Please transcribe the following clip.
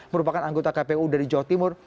merupakan anggota kpu dari jogja